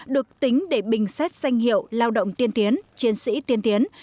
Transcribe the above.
được tính để bình xét danh hiệu lao động tiên tiến chiến sĩ tiên tiến